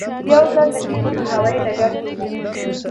یو ځل د ډیلي په هوایي ډګر کې وو.